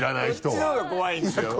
こっちのほうが怖いんですよ